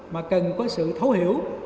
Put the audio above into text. mà cần có sự thấu hiểu